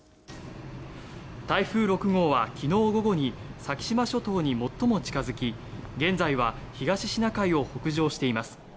台風６号は昨日午後に先島諸島に最も近付き現在は東シナ海を北上しています。